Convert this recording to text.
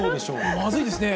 まずいですね。